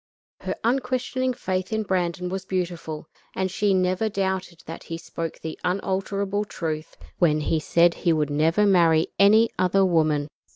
Her unquestioning faith in Brandon was beautiful, and she never doubted that he spoke the unalterable truth when he said he would never marry any other woman.